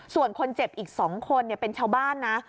ส่วนคนเจ็บอีก๒คนเป็นชาวบ้านนะ